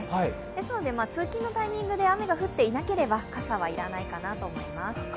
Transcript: ですので通勤のタイミングで雨が降っていなければ傘は要らないかなと思います。